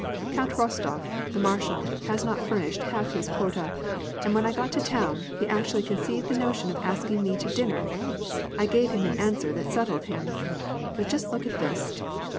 " Count Rostof , the marshal, has not furnished half his quota, and when I got to town, he actually conceived the notion of asking me to dinner — I gave him an answer that settled him ! But just look at this